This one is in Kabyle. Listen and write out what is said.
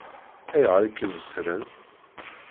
Ayɣer i kem-ṣṣṛen?